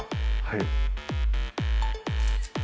はい。